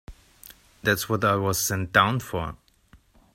That's what I was sent down for.